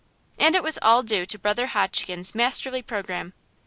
And it was all due to Brother Hotchkins's masterly programme.